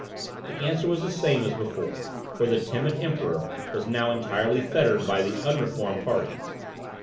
The answer was the same as before; for the timid Emperor was now entirely fettered by the unreformed party.